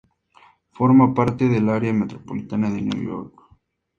Forma parte del Área metropolitana de Nueva York.